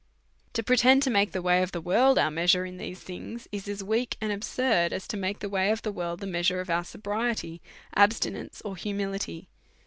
To pretend to make the way of the world our measure in these things, is as weak and ahsurd as to make the way of the world the measure of our sobriety, abstinence, or humility.